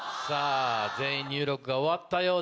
全員入力が終わったようです。